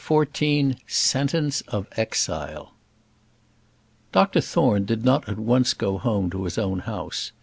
CHAPTER XIV Sentence of Exile Dr Thorne did not at once go home to his own house.